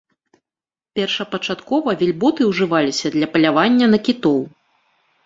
Першапачаткова вельботы ўжываліся для палявання на кітоў.